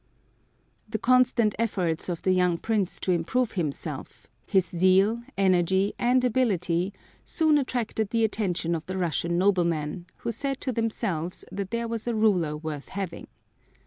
The constant efforts of the young Prince to improve himself, his zeal, energy and ability soon attracted the attention of the Russian noblemen, who said to themselves that here was a ruler worth having.